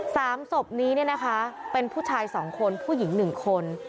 สามศพนี้เนี่ยนะคะเป็นผู้ชายสองคนผู้หญิงหนึ่งคน